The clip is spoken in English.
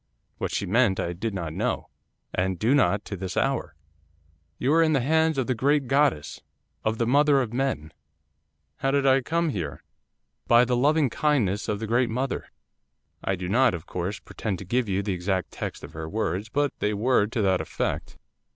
What she meant I did not know, and do not to this hour. "You are in the hands of the great goddess, of the mother of men." '"How did I come here?" '"By the loving kindness of the great mother." 'I do not, of course, pretend to give you the exact text of her words, but they were to that effect.